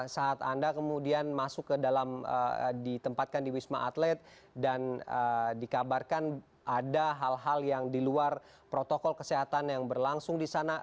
saat anda kemudian masuk ke dalam ditempatkan di wisma atlet dan dikabarkan ada hal hal yang di luar protokol kesehatan yang berlangsung di sana